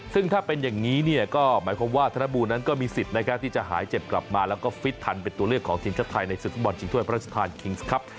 ซึ่งถ้าเป็นอย่างนี้เนี่ยก็หมายความว่าธนบูรณนั้นก็มีสิทธิ์นะครับที่จะหายเจ็บกลับมาแล้วก็ฟิตทันเป็นตัวเลือกของทีมชาติไทยในศึกฟุตบอลชิงถ้วยพระราชทานคิงส์ครับ